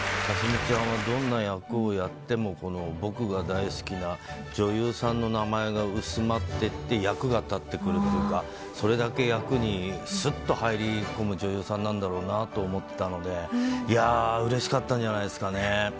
架純ちゃんはどんな役をやっても、僕が大好きな女優さんの名前が薄まってって、役が立ってくるというか、それだけ役にすっと入り込む女優さんなんだろうなと思ったんで、いやー、うれしかったんじゃないですかね。